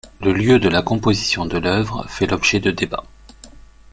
Le lieu de la composition de l'œuvre fait l'objet de débats.